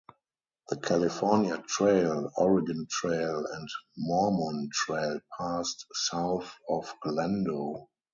The California Trail, Oregon Trail and Mormon Trail passed south of Glendo.